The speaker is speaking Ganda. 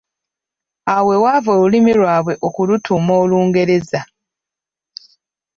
Awo we waava olulimi lwabwe okulutuuma Olungereza.